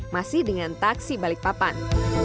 masih dengan taksi balikpapan